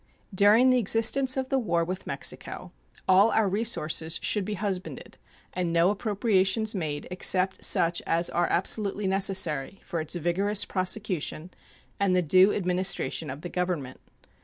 During the existence of the war with Mexico all our resources should be husbanded, and no appropriations made except such as are absolutely necessary for its vigorous prosecution and the due administration of the Government.